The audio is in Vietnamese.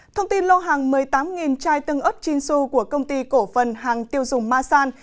thông tin lô hàng một mươi tám chai tương ớt chinsu của công ty cổ phần hàng tiêu dùng masan